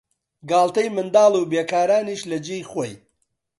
گاڵتەی منداڵ و بیکارانیش لە جێی خۆی